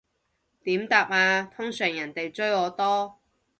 點答啊，通常人哋追我多